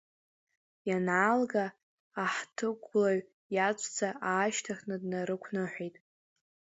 Ианаалга, ахҭыгәлаҩ иаҵәца аашьҭыхны днарықәныҳәеит…